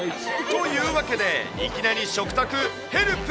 というわけで、いきなり食卓ヘルプ！